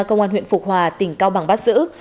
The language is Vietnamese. công an huyện phục hòa tỉnh cao bằng bắt giữ